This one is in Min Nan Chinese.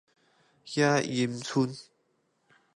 野銀村